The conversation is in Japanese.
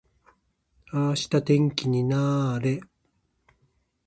明日天気にな～れ。